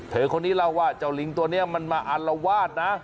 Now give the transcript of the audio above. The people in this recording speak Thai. คนนี้เล่าว่าเจ้าลิงตัวนี้มันมาอารวาสนะ